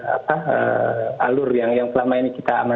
apa alur yang selama ini kita amankan